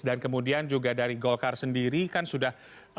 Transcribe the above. dan kemudian juga dari golkar sendiri kan sudah